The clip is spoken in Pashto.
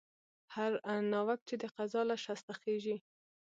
هر ناوک چې د قضا له شسته خېژي.